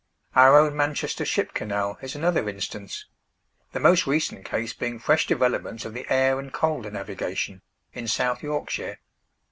Our own Manchester Ship Canal is another instance; the most recent case being fresh developments of the Aire and Calder Navigation, in South Yorkshire.